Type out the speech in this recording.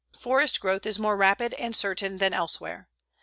Forest growth is more rapid and certain than elsewhere.